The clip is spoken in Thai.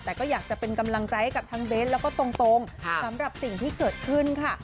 แต่ก็อยากจะเป็นกำลังใจให้กับทั้งเบ้นแล้วก็ตรงสำหรับสิ่งที่เกิดขึ้นค่ะ